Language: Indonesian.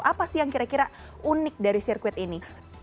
apa sih yang kira kira unik dari sirkuit ini